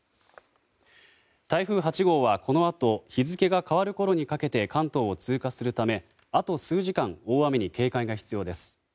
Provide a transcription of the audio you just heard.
台風８号はこのあと日付が変わるころにかけて関東を通過するため、あと数時間大雨に警戒が必要です。